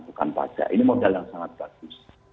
bukan pajak ini modal yang sangat bagus